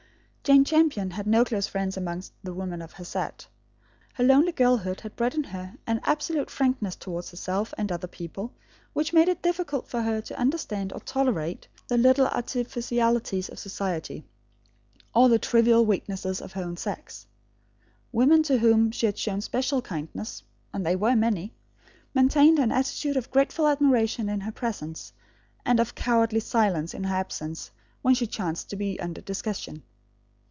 Jane Champion had no close friends amongst the women of her set. Her lonely girlhood had bred in her an absolute frankness towards herself and other people which made it difficult for her to understand or tolerate the little artificialities of society, or the trivial weaknesses of her own sex. Women to whom she had shown special kindness and they were many maintained an attitude of grateful admiration in her presence, and of cowardly silence in her absence when she chanced to be under discussion.